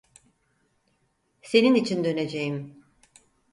Senin için döneceğim.